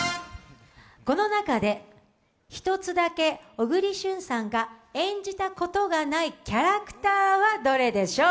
この中で、１つだけ小栗旬さんが演じたことがないキャラクターはどれでしょう。